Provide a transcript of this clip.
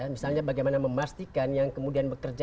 misalnya bagaimana memastikan yang kemudian bekerja